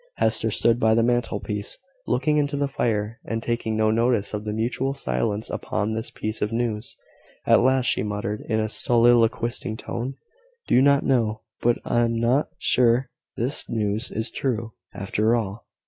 Hester stood by the mantelpiece, looking into the fire, and taking no notice of their mutual silence upon this piece of news. At last she muttered, in a soliloquising tone "Do not know but I am not sure this news is true, after all."